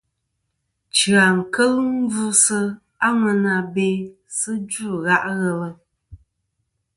Chia kel gvɨsi a ŋwena be sɨ dzvɨ gha' ghelɨ.